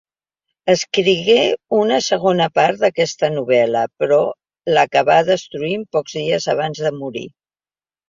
Escrigué una segona part d'aquesta novel·la, però l'acabà destruint pocs dies abans de morir.